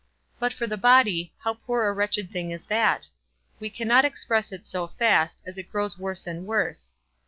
But for the body, how poor a wretched thing is that? we cannot express it so fast, as it grows worse and worse.